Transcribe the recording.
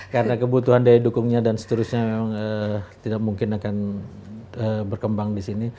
karena kebutuhan daya dukungnya dan seterusnya memang tidak mungkin akan berkembang di sini